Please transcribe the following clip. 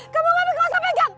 kamu ngapain gak usah pegang